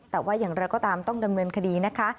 แต่ว่าอย่างไรก็ตามต้องดำเนินคดีนะคะ